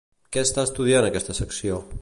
Què està estudiant aquesta secció?